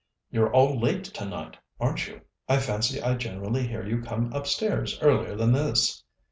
"You're all late tonight, aren't you? I fancy I generally hear you come upstairs earlier than this."